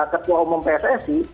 ketua umum prestasi